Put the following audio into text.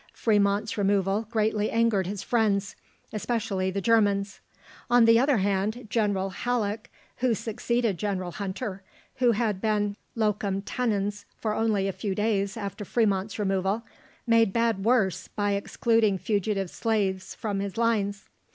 Fremont's removal greatly angered his friends, especially the Germans. On the other hand, General Halleck, who succeeded General Hunter who had been locum tenens for only a few days after Fremont's removal made bad worse by excluding fugitive slaves from his lines.